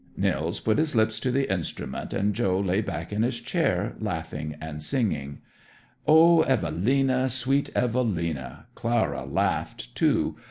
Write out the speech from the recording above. Nils put his lips to the instrument, and Joe lay back in his chair, laughing and singing, "Oh, Evelina, Sweet Evelina!" Clara laughed, too.